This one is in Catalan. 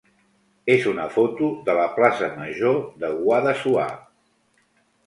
és una foto de la plaça major de Guadassuar.